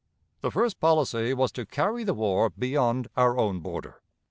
The first policy was to carry the war beyond our own border.